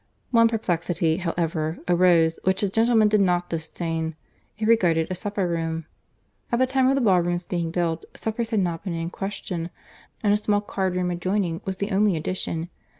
One perplexity, however, arose, which the gentlemen did not disdain. It regarded a supper room. At the time of the ballroom's being built, suppers had not been in question; and a small card room adjoining, was the only addition.